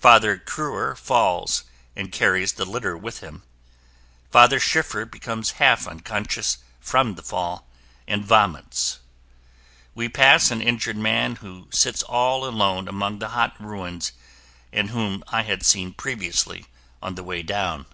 Father Kruer falls and carries the litter with him. Father Schiffer becomes half unconscious from the fall and vomits. We pass an injured man who sits all alone among the hot ruins and whom I had seen previously on the way down.